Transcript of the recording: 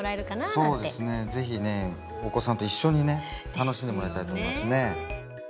そうですね是非ねお子さんと一緒にね楽しんでもらいたいと思いますね。